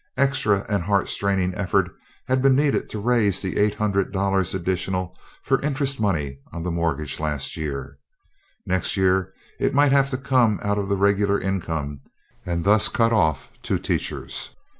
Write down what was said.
Extra and heart straining effort had been needed to raise the eight hundred dollars additional for interest money on the mortgage last year. Next year it might have to come out of the regular income and thus cut off two teachers.